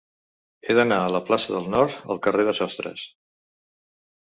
He d'anar de la plaça del Nord al carrer de Sostres.